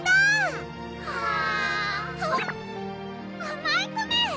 あまいコメ！